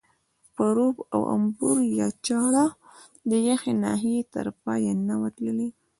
پروب او انبور یا چاړه د یخې ناحیې تر پایه نه وه تللې.